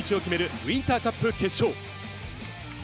ウインターカップ決勝。